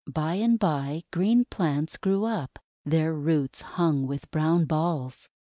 By and by, green plants grew up, their roots hung with brown balls.